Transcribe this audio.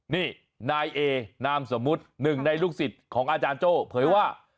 นี่นายเอนามสมมุติหนึ่งในลูกศิษย์ของอาจารย์โจ้เผยว่า